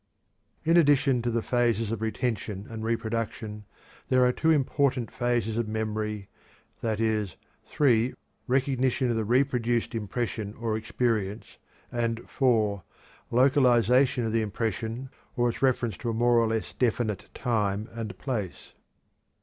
In addition to the phases of retention and reproduction, there are two important phases of memory, viz.: (3) Recognition of the reproduced impression or experience; and (4) localization of the impression, or its reference to a more or less definite time and place.